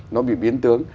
nó bị biến tướng